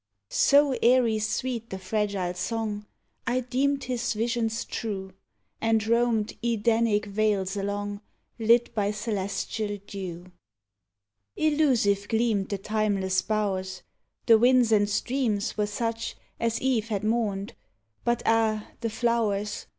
So airy sweet the fragile song, I deemed his visions true, And roamed Edenic vales along, Lit by celestial dew. Illusive gleamed the timeless bow'rs; The winds and streams were such As Eve had mourned but ah, the flow'rs!